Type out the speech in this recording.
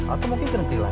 atau mungkin ke negeri lain